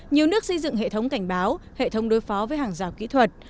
nhiều nước xây dựng hệ thống cảnh báo hệ thống đối phó với hàng rào kỹ thuật